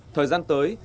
thời gian tới